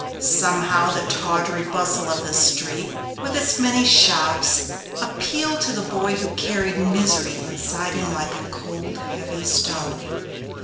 Somehow the tawdry bustle of this street, with its many shops, appealed to the boy who carried misery inside him like a cold, heavy stone.